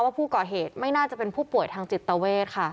ว่าผู้ก่อเหตุไม่น่าจะเป็นผู้ป่วยทางจิตเวทค่ะ